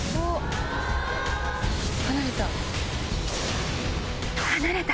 離れた！